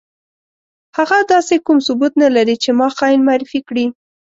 هغه داسې کوم ثبوت نه لري چې ما خاين معرفي کړي.